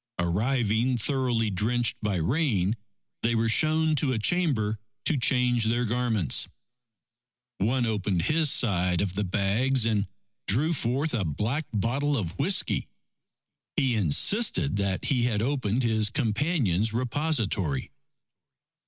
Arriving thoroughly drenched by rain, they were shown to a chamber to change their garments. One opened his side of the bags, and drew forth a black bottle of whiskey. He insisted that he had opened his companion's repository.